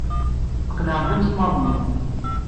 Tqelɛem-d imesmaṛen-nni.